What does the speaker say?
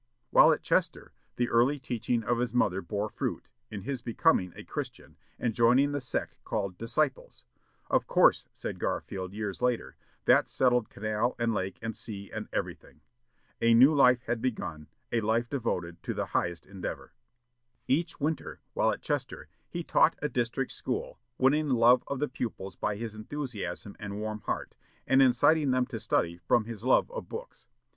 While at Chester, the early teaching of his mother bore fruit, in his becoming a Christian, and joining the sect called "Disciples." "Of course," said Garfield, years later, "that settled canal, and lake, and sea, and everything." A new life had begun a life devoted to the highest endeavor. Each winter, while at Chester, he taught a district school, winning the love of the pupils by his enthusiasm and warm heart, and inciting them to study from his love of books.